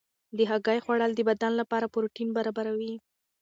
د هګۍ خوړل د بدن لپاره پروټین برابروي.